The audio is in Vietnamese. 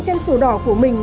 trên sổ đỏ của mình